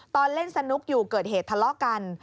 ตอนเล่นสนุกอยู่เกิดเหตุทะเลาะกัน